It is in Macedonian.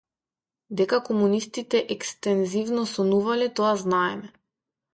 Дека комунистите екстензивно сонувале - тоа знаеме.